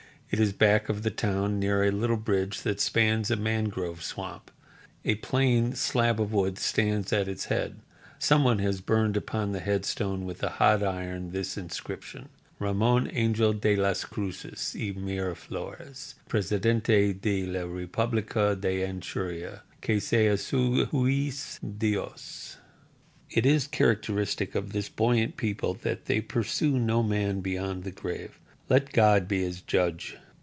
It is back of the town near a little bridge that spans a mangrove swamp. A plain slab of wood stands at its head. Some one has burned upon the headstone with a hot iron this inscription: RAMON ANGEL DE LAS CRUZES Y MIRAFLORES PRESIDENTE DE LA REPUBLICA DE ANCHURIA QUE SEA SU JUEZ DIOS It is characteristic of this buoyant people that they pursue no man beyond the grave. "Let God be his judge!"